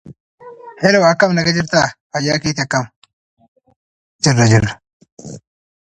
She made no outward sign of a change of religion.